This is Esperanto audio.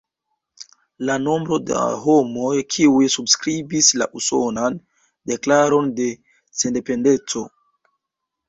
La nombro da homoj kiuj subskribis la Usonan Deklaron de Sendependeco.